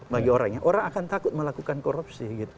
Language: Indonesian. bagi orang yang orang akan takut melakukan korupsi gitu